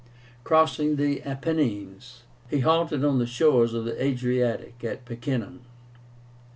Crossing the Apennines, he halted on the shores of the Adriatic, in Picénum.